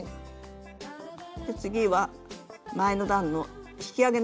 次は前の段の引き上げ